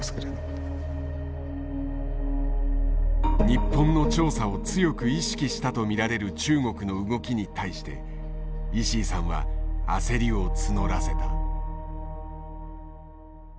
日本の調査を強く意識したと見られる中国の動きに対して石井さんは焦りを募らせた。